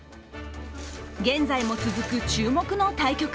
現在も続く注目の対局。